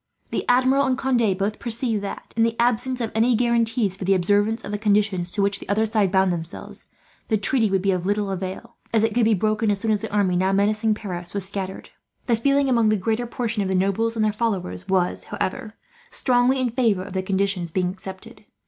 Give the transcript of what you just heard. The Admiral and Conde both perceived that, in the absence of any guarantees for the observance of the conditions to which the other side bound themselves, the treaty would be of little avail; as it could be broken, as soon as the army now menacing Paris was scattered. The feeling among the great portion of the nobles and their followers was, however, strongly in favour of the conditions being accepted.